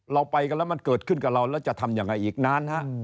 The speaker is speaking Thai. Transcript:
เราไปกันแล้วมันเกิดขึ้นกับเราแล้วจะทำยังไงอีกนานฮะ